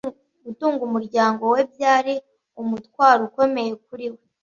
Gutunga umuryango we byari umutwaro ukomeye kuri we.